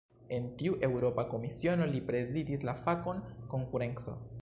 En tiu Eŭropa Komisiono, li prezidis la fakon "konkurenco".